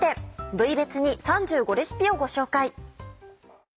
部位別に３５レシピをご紹介。